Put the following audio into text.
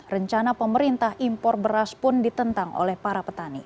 rencana pemerintah impor beras pun ditentang oleh para petani